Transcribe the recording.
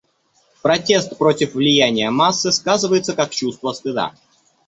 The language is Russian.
Протест против влияния массы сказывается как чувство стыда.